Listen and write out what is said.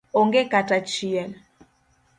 Onge kata achiel.